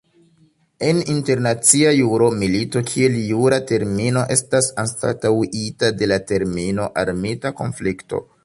En internacia juro, milito kiel jura termino estas anstataŭita de la termino "armita konflikto".